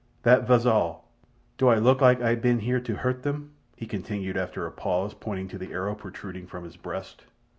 That vas all. Do Ay look like Ay ban here to hurt them?" he continued after a pause, pointing to the arrow protruding from his breast.